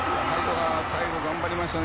最後、頑張りましたね。